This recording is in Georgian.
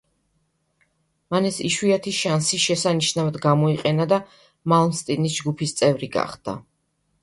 მან ეს იშვიათი შანსი შესანიშნავად გამოიყენა და მალმსტინის ჯგუფის წევრი გახდა.